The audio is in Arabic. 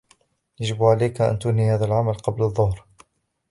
يجب عليك أن تنهي هذا العمل قبل الظهر.